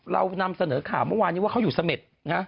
เรานำเสนอข่าวเมื่อวานนี้ว่าเขาอยู่เสม็ดนะ